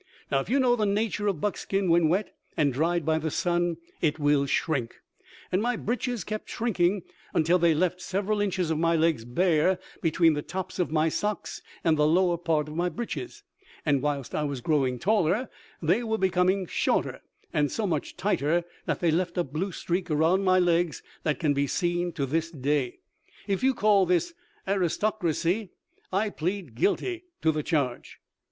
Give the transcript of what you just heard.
Now if you know the nature of buckskin when wet and dried by the sun, it will shrink ; and my breeches kept shrinking until they left several inches of my legs bare between the tops of my socks and the lower part of my breeches ; and whilst I was growing taller they were becoming shorter, and so much tighter that they left a blue streak around my legs that can be seen to this day. If you call this aristocracy I plead guilty to the charge."